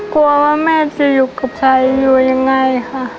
กลัวค่ะกลัวว่าแม่จะอยู่กับชายอยู่ยังไงค่ะ